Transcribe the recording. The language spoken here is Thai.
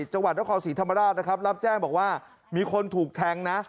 จังหวัดนครศรีธรรมราชนะครับรับแจ้งบอกว่ามีคนถูกแทงนะ